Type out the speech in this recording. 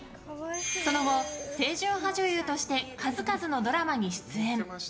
その後、清純派女優として数々のドラマに出演。